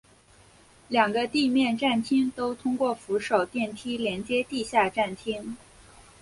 两个地面站厅都通过扶手电梯连接地下站厅。